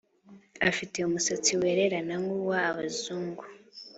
afite umusatsi wererana nkuwa abazungu